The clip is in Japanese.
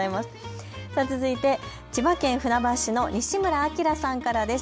続いて千葉県船橋市の西村明さんからです。